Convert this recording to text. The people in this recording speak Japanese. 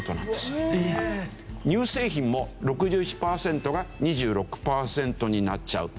乳製品も６１パーセントが２６パーセントになっちゃう。